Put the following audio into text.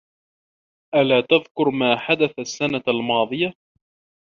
ألا تذكر ما حدث السنة الماضية؟